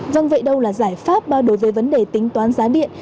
vâng vậy đâu là giải pháp đối với vấn đề tính toán giá điện